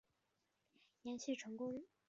延续成功的经验而设计的云端最佳化平台。